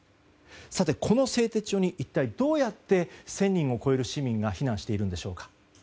さて、この製鉄所に一体どうやって１０００人を超える市民が避難しているんでしょうか。